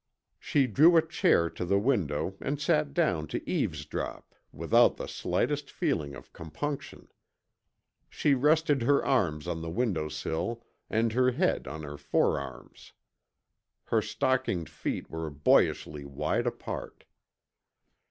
She drew a chair to the window and sat down to eavesdrop without the slightest feeling of compunction. She rested her arms on the windowsill and her head on her forearms. Her stockinged feet were boyishly wide apart.